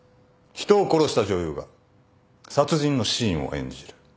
人を殺した女優が殺人のシーンを演じる。